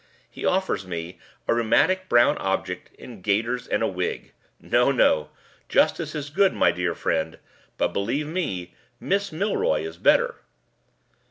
He offers me a rheumatic brown object in gaiters and a wig. No! no! Justice is good, my dear friend; but, believe me, Miss Milroy is better."